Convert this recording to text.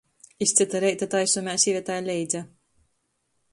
Iz cyta reita taisomēs Ivetai leidza.